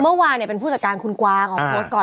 เมื่อวานเป็นผู้จัดการคุณกวางออกโพสต์ก่อน